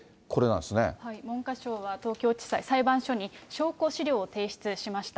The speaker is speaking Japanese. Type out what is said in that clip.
文科省は東京地裁、裁判所に、証拠資料を提出しました。